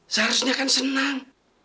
seharusnya kan senang